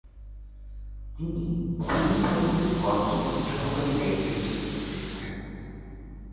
তিনি সিভিল সার্ভিসের কর্মজীবনে সহকারী ম্যাজিস্ট্রেট হিসেবে সিলেটে আসেন।